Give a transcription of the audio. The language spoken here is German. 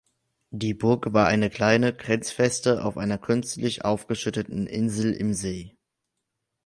Die Burg war eine kleine Grenzfeste auf einer künstlich aufgeschütteten Insel im See.